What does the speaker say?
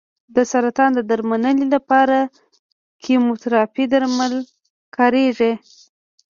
د سرطان د درملنې لپاره کیموتراپي درمل کارېږي.